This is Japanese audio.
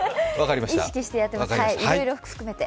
意識してやってます、いろいろ含めて。